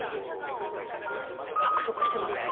約束してなくても？